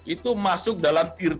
itu masuk dalam tier tiga